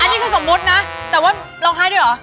นี่คือสมมุตินะแต่ว่าร้องไห้ด้วยเหรอ